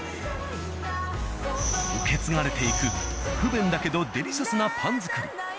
受け継がれていく不便だけどデリシャスなパン作り。